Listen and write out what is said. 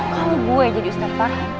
kalau gue jadi ustadz farhan